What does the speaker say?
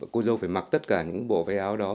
cô dâu phải mặc tất cả những bộ váy áo đó